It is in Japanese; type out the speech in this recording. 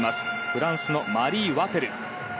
フランスのマリー・ワテル。